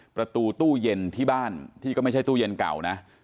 ประตูตู้เย็นที่บ้านที่ก็ไม่ใช่ตู้เย็นเก่านะ